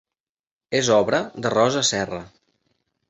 És obra de Rosa Serra.